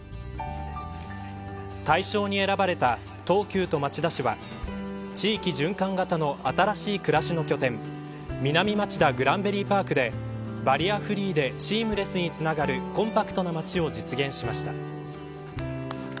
大賞に選ばれた東急と町田市は地域循環型の新しい暮らしの拠点南町田グランベリーパークでバリアフリーでシームレスにつながるコンパクトな街を実現しました。